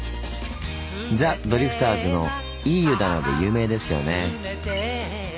ザ・ドリフターズの「いい湯だな」で有名ですよね。